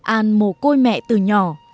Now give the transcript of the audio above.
an mồ côi mẹ từ nhỏ